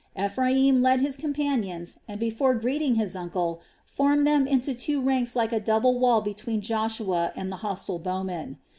Ephraim led his companions and, before greeting his uncle, formed them into two ranks like a double wall between Joshua and the hostile bow men.